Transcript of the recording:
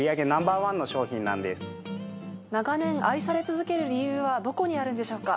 長年愛され続ける理由はどこにあるんでしょうか？